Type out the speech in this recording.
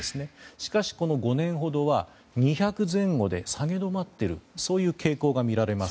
しかしこの５年ほどは２００前後で下げ止まっているそういう傾向が見られます。